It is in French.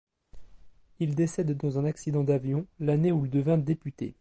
Il décède dans un accident d'avion l'année où il devint député.